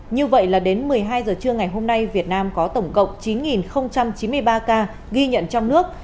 như vậy là đến một mươi hai giờ trưa ngày hôm nay việt nam có tổng cộng chín chín mươi ba ca ghi nhận trong nước